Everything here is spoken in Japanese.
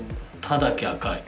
「た」だけ赤い。